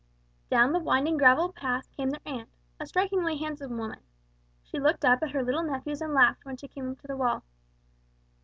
Down the winding gravel path came their aunt; a strikingly handsome woman. She looked up at her little nephews and laughed when she came to the wall.